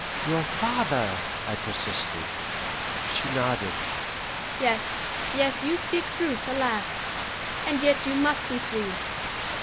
"Your father " I persisted. She nodded. "Yes, yes, you speak truth, alas! And yet you must be freed.